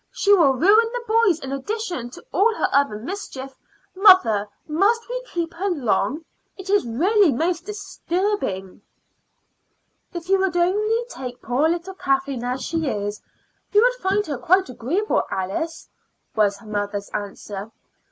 "She will ruin the boys in addition to all her other mischief. Mother, must we keep her long? It is really most disturbing." "If you would only take poor little Kathleen as she is, you would find her quite agreeable, Alice," was her mother's answer.